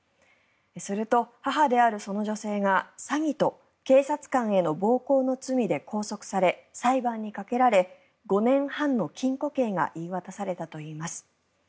すると、母であるその女性が詐欺と警察官への暴行の罪で拘束され、裁判にかけられ５年半の禁錮刑が言い渡されたといいます。